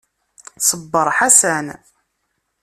Ṣebber Ḥasan.